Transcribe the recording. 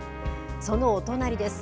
そのお隣です。